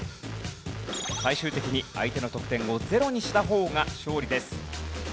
最終的に相手の得点をゼロにした方が勝利です。